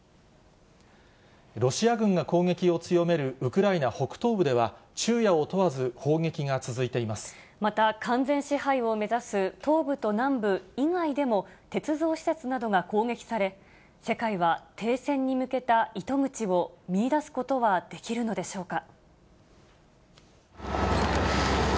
ロシア軍が攻撃を強めるウクライナ北東部では昼夜を問わず砲撃がまた、完全支配を目指す東部と南部以外でも、鉄道施設などが攻撃され、世界は停戦に向けた糸口を見いだすことはできるのでしょうか。